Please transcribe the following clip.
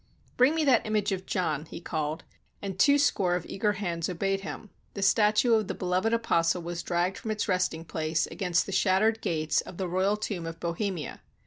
"Bring me that image of John," he called; and two score of eager hands obeyed him. The statue of the be loved Apostle was dragged from its resting place against the shattered gates of the royal tomb of Bohemia.